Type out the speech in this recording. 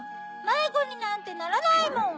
まいごになんてならないもん！